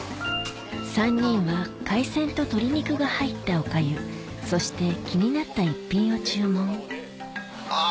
３人は海鮮と鶏肉が入ったお粥そして気になった一品を注文あぁ